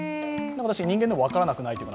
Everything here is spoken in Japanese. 人間でも分からなくないというか。